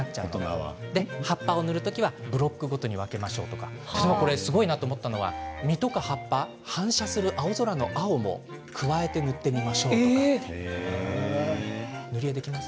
葉っぱを塗る時はブロックごとに分けましょう、すごいと思ったのは実や、葉っぱ反射する青空の青も入れて加えてみましょうということです。